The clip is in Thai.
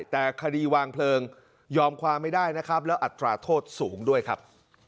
แต่คดีวางเพลิงยอมความไม่ได้นะครับแล้วอัตราโทษสูงด้วยครับ